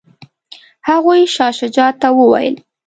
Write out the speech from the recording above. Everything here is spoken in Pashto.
هغوی شاه شجاع ته وویل.